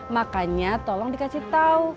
makanya tolong dikasih tau